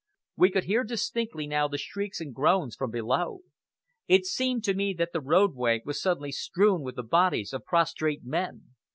We could hear distinctly now the shrieks and groans from below. It seemed to me that the roadway was suddenly strewn with the bodies of prostrate men.